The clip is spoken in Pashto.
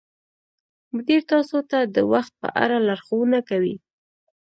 مدیر تاسو ته د وخت په اړه لارښوونه کوي.